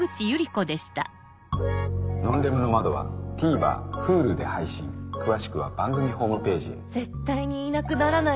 『ノンレムの窓』はＴＶｅｒＨｕｌｕで配信詳しくは番組ホームページへ絶対にいなくならない人を。